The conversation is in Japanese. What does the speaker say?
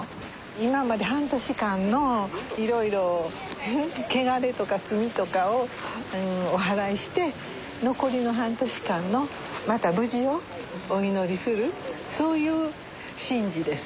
今まで半年間のいろいろ汚れとか罪とかをおはらいして残りの半年間のまた無事をお祈りするそういう神事です。